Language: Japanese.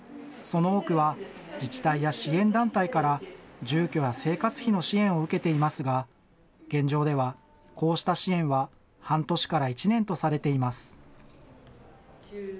その多くは自治体や支援団体から住居や生活費の支援を受けていますが、現状ではこうした支援は半年から１年とされています。